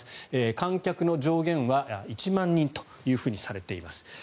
観客の上限は１万人とされています。